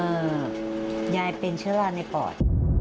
เอ่อยายเป็นเชื้อลาในปอด